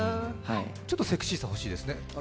ちょっとセクシーさ欲しいですね。